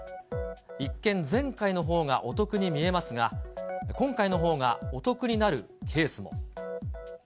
一見、前回のほうがお得に見えますが、今回のほうがお得になるケースも。